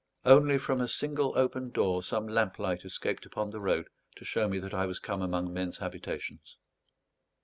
Only from a single open door, some lamplight escaped upon the road to show me that I was come among men's habitations.